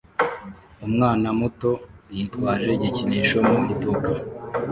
Umwana muto yitwaje igikinisho mu iduka